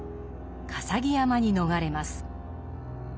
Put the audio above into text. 笠置山に逃れます。